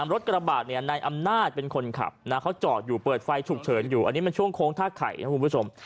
รถกระบะเนี่ยนายอำนาจเป็นคนขับนะเขาจอดอยู่เปิดไฟฉุกเฉินอยู่อันนี้มันช่วงโค้งท่าไข่ครับคุณผู้ชม